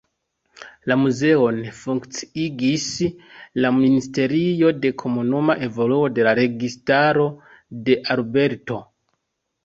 La muzeon funkciigis la Ministerio de Komunuma Evoluo de la Registaro de Alberto.